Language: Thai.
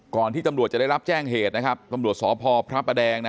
ก่อนที่ตำรวจจะได้รับแจ้งเหตุนะครับตำรวจสภพระแปดแรงนะ